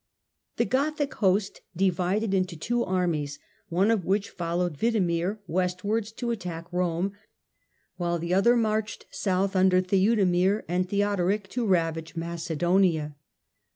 The Gothic host divided into two armies, one of which followed Widemir westwards to attack Rome, while the other marched south under Theudemir and Theodoric to ravage Macedonia.